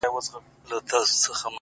چي مرور نه یم، چي در پُخلا سم تاته،